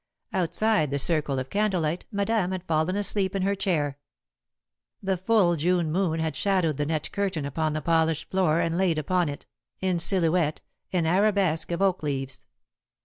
Outside the circle of candlelight, Madame had fallen asleep in her chair. The full June moon had shadowed the net curtain upon the polished floor and laid upon it, in silhouette, an arabesque of oak leaves.